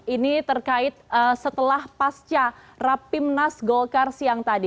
ini terkait setelah pasca rapimnas golkar siang tadi